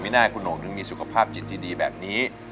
ไม่น่าคุณโหนงจะมีสุขภาพจิตดีแบบนี้